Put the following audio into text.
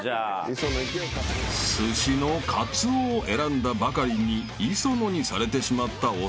［寿司のカツオを選んだばかりに磯野にされてしまった長田］